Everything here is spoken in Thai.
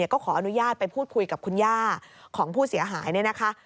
ก็ขออนุญาตไปพูดคุยกับคุณย่าของผู้เสียหายเนี่ยนะคะ